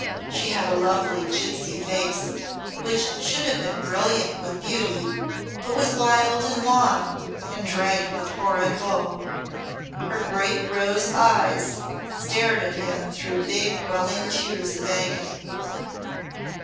She had a lovely gipsy face which should have been brilliant with beauty, but was wild and wan and dragged with horrid woe. Her great roe's eyes stared at him through big, welling tears of agony.